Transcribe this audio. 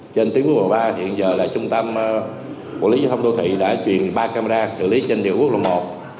trên tiếng quốc lộ một mươi ba hiện giờ là trung tâm bộ lý giáo thông thô thị đã truyền ba camera xử lý trên thiệu quốc lộ một